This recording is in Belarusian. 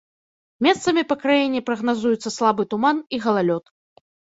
Месцамі па краіне прагназуюцца слабы туман і галалёд.